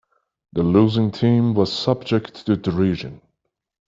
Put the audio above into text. The losing team was subject to derision.